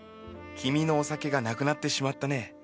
君のお酒がなくなってしまったね。